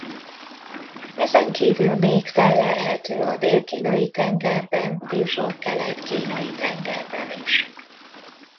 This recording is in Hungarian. Ezen kívül még fellelhető a Dél-kínai-tengerben és a Kelet-kínai-tengerben is.